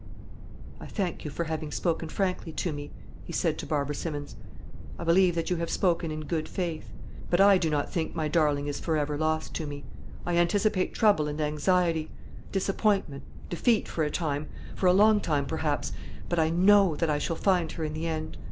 "I thank you for having spoken frankly to me," he said to Barbara Simmons; "I believe that you have spoken in good faith. But I do not think my darling is for ever lost to me. I anticipate trouble and anxiety, disappointment, defeat for a time, for a long time, perhaps; but I know that I shall find her in the end.